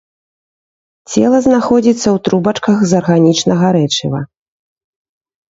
Цела знаходзіцца ў трубачках з арганічнага рэчыва.